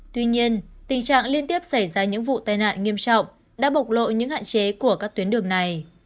tuy nhiên tình trạng liên tiếp xảy ra những vụ tai nạn nghiêm trọng đã bộc lộ những hạn chế của các tuyến đường này